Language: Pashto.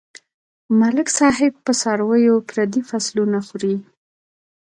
ملک صاحب په څارويو پردي فصلونه خوري.